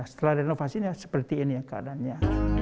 setelah renovasinya seperti ini keadaannya